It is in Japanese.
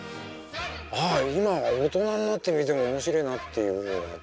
ああ今大人になって見ても面白いなっていう面があって。